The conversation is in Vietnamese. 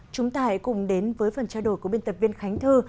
chúng ta hãy cùng đến với phần trao đổi của biên tập viên khánh thư